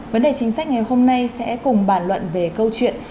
vấn đề chính sách ngày hôm nay sẽ cùng bàn luận về câu chuyện